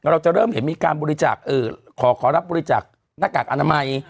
เราจะเริ่มเห็นมีการบริจาคขอรับบริจาคหน้ากากอนามัย